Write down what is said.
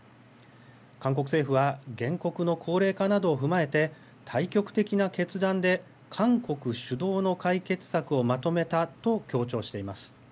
韓国政府は原告の高齢化などを踏まえて大局的な決断で韓国主導の解決策をまとめたと強調しています。